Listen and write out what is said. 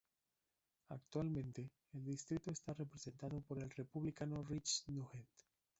Actualmente el distrito está representado por el Republicano Rich Nugent.